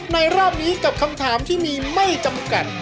รอบนี้กับคำถามที่มีไม่จำกัด